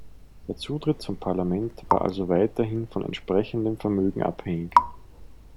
Der Zutritt zum Parlament war also weiterhin von entsprechendem Vermögen abhängig.